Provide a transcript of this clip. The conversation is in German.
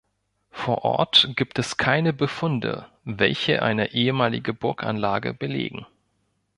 Vor Ort gibt es keine Befunde, welche eine ehemalige Burganlage belegen.